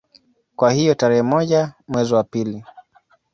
Kwa hiyo tarehe moja mwezi wa pili